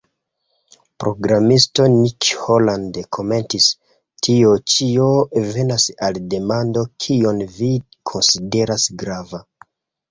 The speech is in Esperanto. Programisto Nick Holland komentis: "Tio ĉio venas al demando kion vi konsideras grava.".